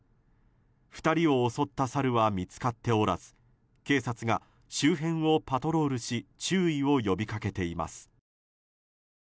２人を襲ったサルは見つかっておらず警察が周辺をパトロールし注意を呼び掛けています。